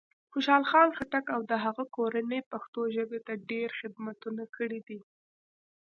خوشال خان خټک او د هغه کورنۍ پښتو ژبې ته ډېر خدمتونه کړي دی.